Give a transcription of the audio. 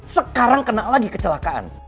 sekarang kena lagi kecelakaan